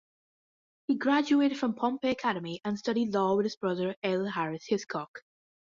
He graduated from Pompey Academy and studied law with his brother L. Harris Hiscock.